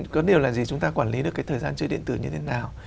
có điều là gì chúng ta quản lý được cái thời gian chơi điện tử như thế nào